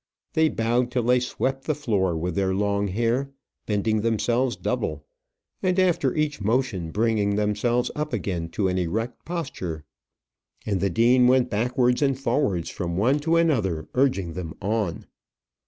They bowed till they swept the floor with their long hair, bending themselves double, and after each motion bringing themselves up again to an erect posture. And the dean went backwards and forwards from one to another, urging them on.